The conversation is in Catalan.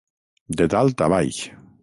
De dalt a baix.